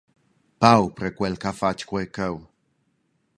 Paupra quel che ha fatg quei cheu.